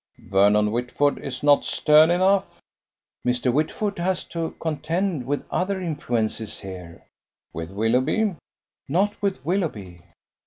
"Vernon Whitford is not stern enough?" "Mr. Whitford has to contend with other influences here." "With Willoughby?" "Not with Willoughby."